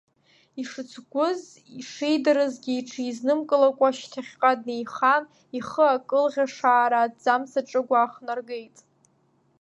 Ишыцгәыз шидырызгьы иҽизнымкылакәа шьҭахьҟа днеихан, ихы акылӷьашаара аҭӡамц аҿыгә аахнаргеит.